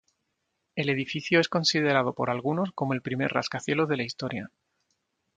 El edificio es considerado por algunos como el primer rascacielos de la historia.